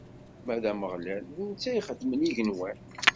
Ma d Ameɣlal, d netta i ixedmen igenwan.